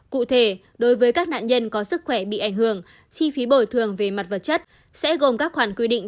cụ thể đối với các nạn nhân có sức khỏe bị ảnh hưởng chi phí bồi thường về mặt vật chất sẽ gồm các khoản quy định